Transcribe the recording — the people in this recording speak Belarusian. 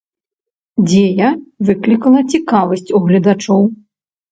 Дзея выклікала цікавасць у гледачоў.